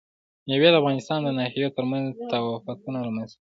مېوې د افغانستان د ناحیو ترمنځ تفاوتونه رامنځ ته کوي.